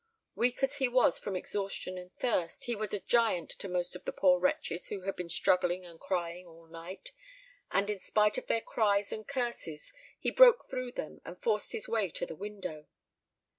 Weak as he was from exhaustion and thirst, he was as a giant to most of the poor wretches who had been struggling and crying all night, and, in spite of their cries and curses, he broke through them and forced his way to the window.